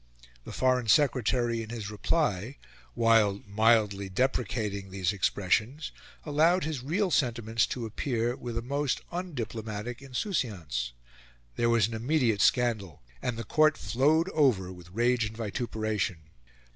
The Foreign Secretary in his reply, while mildly deprecating these expressions, allowed his real sentiments to appear with a most undiplomatic insouciance There was an immediate scandal, and the Court flowed over with rage and vituperation.